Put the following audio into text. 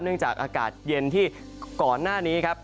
จากอากาศเย็นที่ก่อนหน้านี้ครับ